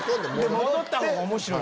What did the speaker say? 戻ったほうが面白い。